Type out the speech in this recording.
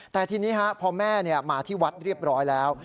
แต่ทีนี้พอแม่มาที่วัดเรียบร้อยแล้ว